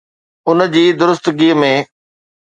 ان جي درستگي ۾.